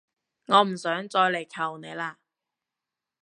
我唔想再嚟求你喇